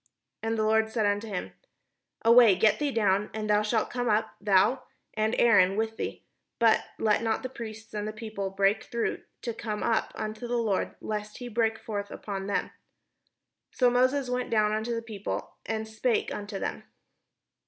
" And the Lord said unto him: "Away, get thee down, and thou shalt come up, thou, and Aaron with thee, but let not the priests and the people break through to come up unto the Lord, lest he break forth upon them." So Moses went down unto the people, and spake unto them.